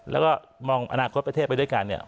แล้วก็มองอนาคตประเทศไปด้วยกันเนี่ย